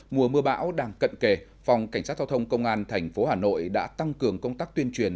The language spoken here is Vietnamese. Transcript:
mùa mưa bão đang cận kề phòng cảnh sát giao thông công an thành phố hà nội đã tăng cường công tác tuyên truyền